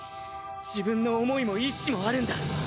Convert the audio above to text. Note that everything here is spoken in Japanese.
自分の思いも意思もあるんだ。